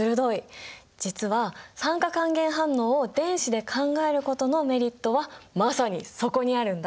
実は酸化還元反応を電子で考えることのメリットはまさにそこにあるんだ。